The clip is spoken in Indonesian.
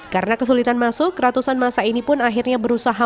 karena kesulitan masuk ratusan masa ini pun akhirnya berusaha